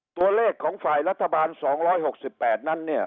ตัวเลขของฝ่ายรัฐบาล๒๖๘นั้นเนี่ย